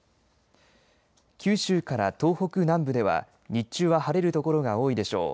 九州から東北南部では日中は晴れる所が多いでしょう。